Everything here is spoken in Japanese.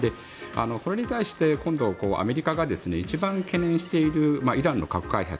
これに対して今度、アメリカが一番懸念しているイランの核開発。